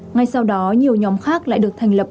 ngay sau đó nhiều nhóm khác lại được thành lập